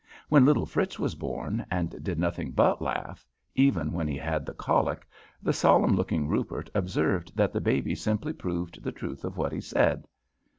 When little Fritz was born, and did nothing but laugh even when he had the colic, the solemn looking Rupert observed that the baby simply proved the truth of what he said.